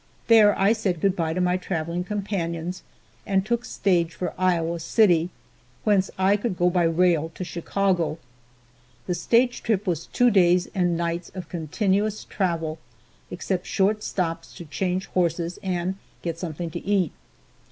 There I said good by to my traveling companions and took stage for Iowa City, whence I could go by rail to Chicago. The stage trip was two days and nights of continuous travel, except short stops to change horses and get something to eat.